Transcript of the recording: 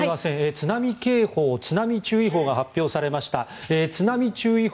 津波警報、津波注意報が発表されました。